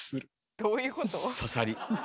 どういうこと？